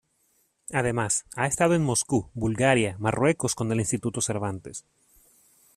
Además, ha estado en Moscú, Bulgaria, Marruecos con el Instituto Cervantes.